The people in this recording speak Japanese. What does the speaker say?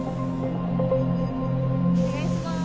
お願いします